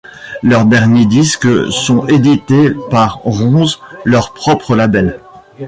Leurs derniers disques sont édités par Ronze, leur propre label.